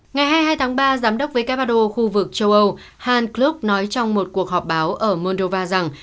ngày hai mươi hai tháng ba giám đốc vkpado khu vực châu âu han klug nói trong một cuộc họp báo ở moldova rằng